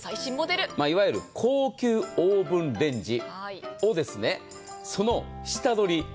いわゆる高級オーブンレンジをその下取り